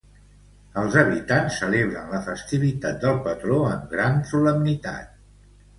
Els habitants celebren la festivitat del patró amb gran solemnitat.